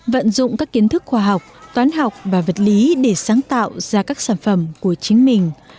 vận dụng các kiến thức khoa học toán học và vật lý để sáng tạo ra các sản phẩm của chính mình